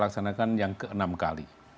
kesanakan yang keenam kali